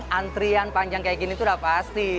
antrian panjang kayak gini tuh udah pasti